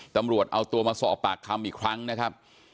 ตำรวจเอาตัวมาสอบปากคำอีกครั้งนะครับ